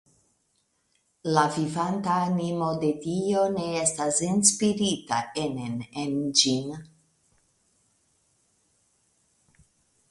La vivanta animo de Dio ne estas enspirita enen en ĝin.